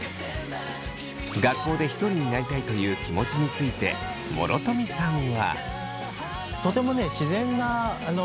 学校でひとりになりたいという気持ちについて諸富さんは。